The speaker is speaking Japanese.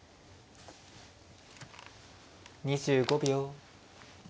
２５秒。